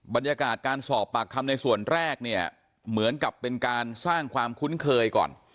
บรรยากาศการสอบปากคำในส่วนแรกเนี่ยเหมือนกับเป็นการสร้างความคุ้นเคยก่อน